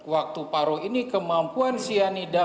waktu paruh ini kemampuan cyanida